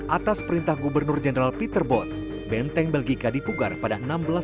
atas perintah gubernur jenderal peter both benteng belgika dipugar pada seribu enam ratus sebelas